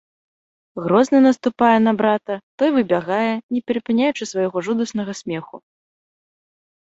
Грозна наступае на брата, той выбягае, не перапыняючы свайго жудаснага смеху.